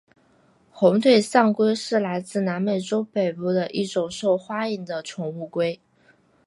红腿象龟是来自南美洲北部的一种受欢迎的宠物龟。